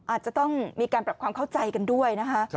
อาจจะต้องมีการปรับความเข้าใจกันด้วยนะคะ